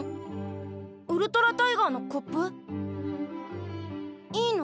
ウルトラタイガーのコップ？いいの？